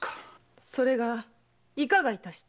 それがいかが致した？